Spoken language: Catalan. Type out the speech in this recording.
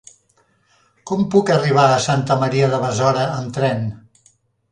Com puc arribar a Santa Maria de Besora amb tren?